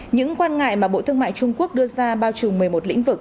những quan ngại mà bộ thương mại trung quốc đưa ra bao trù một mươi một lĩnh vực